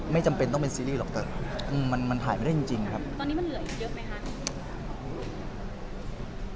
จำเป็นต้องเป็นซีรีส์หรอกเถอะอืมมันมันถ่ายไม่ได้จริงจริงนะครับตอนนี้มันเหลืออีกเยอะไหมคะ